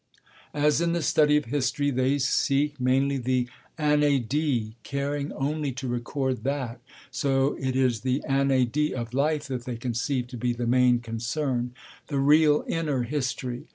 As in the study of history they seek mainly the inédit, caring only to record that, so it is the inédit of life that they conceive to be the main concern, the real 'inner history.'